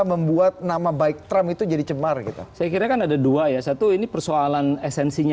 membuat nama baik terap itu jadi cemar kita sekiranya ada dua satu ini persoalan esensinya